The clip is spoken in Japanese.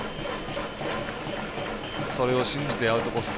それを信じてアウトコース